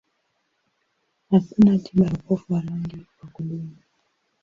Hakuna tiba ya upofu wa rangi wa kudumu.